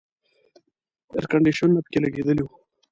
اییر کنډیشنونه پکې لګېدلي وو.